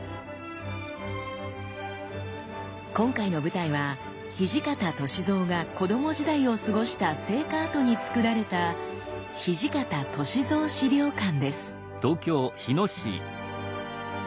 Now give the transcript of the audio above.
今回の舞台は土方歳三が子ども時代を過ごした生家跡につくられた土方歳三資料館です。